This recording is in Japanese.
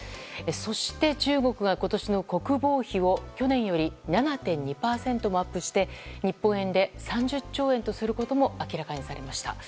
そして、中国が今年の国防費を去年より７．２％もアップして日本円で３０兆円とすることも明らかにされました。